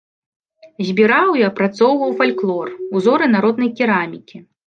Збіраў і апрацоўваў фальклор, узоры народнай керамікі.